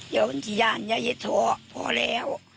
ยาวันที่ยานยาเฮ็ดถ่อพอแล้ว